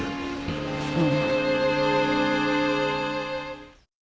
うん。